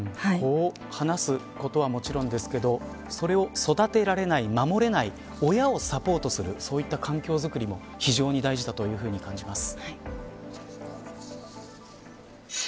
こう話すことはもちろんですけど子を育てられない、守れない親はサポートするそういった環境づくりも非常に大事だと感じます。